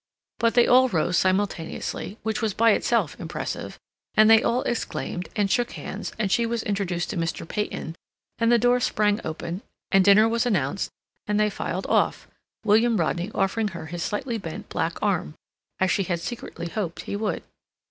But they all rose simultaneously, which was by itself impressive, and they all exclaimed, and shook hands, and she was introduced to Mr. Peyton, and the door sprang open, and dinner was announced, and they filed off, William Rodney offering her his slightly bent black arm, as she had secretly hoped he would.